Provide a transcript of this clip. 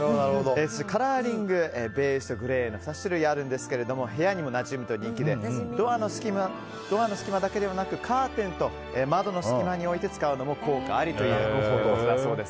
カラーリングはベージュとグレーの２つあるんですが部屋にもなじむと人気でドアの隙間だけではなくカーテンと窓の隙間に置いて使うのも効果ありということだそうです。